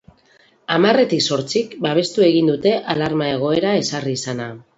Hamarretik zortzik babestu egin dute alarma egoera ezarri izana.